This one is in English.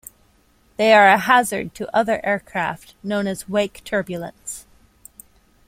They are a hazard to other aircraft, known as wake turbulence.